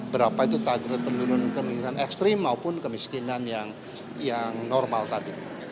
berapa itu target penurunan kemiskinan ekstrim maupun kemiskinan yang normal tadi